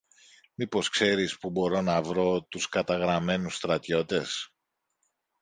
μήπως ξέρεις πού μπορώ να βρω τους καταγραμμένους στρατιώτες;